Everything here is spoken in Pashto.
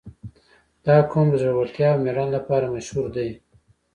• دا قوم د زړورتیا او مېړانې لپاره مشهور دی.